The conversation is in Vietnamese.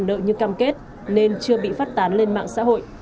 nợ như cam kết nên chưa bị phát tán lên mạng xã hội